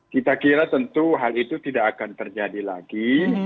kita kira tentu hal itu tidak akan terjadi lagi